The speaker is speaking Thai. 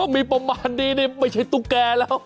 มีประมาณนี้นี่ไม่ใช่ตุ๊กแก่แล้ว